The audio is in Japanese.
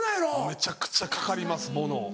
めちゃくちゃかかります物